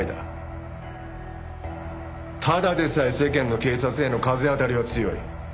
ただでさえ世間の警察への風当たりは強い。